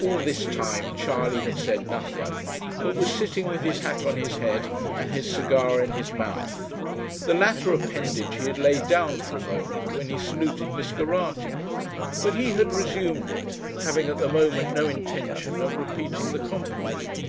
All this time Charley had said nothing, but was sitting with his hat on his head, and his cigar in his mouth. The latter appendage he had laid down for a moment when he saluted Miss Geraghty; but he had resumed it, having at the moment no intention of repeating the compliment.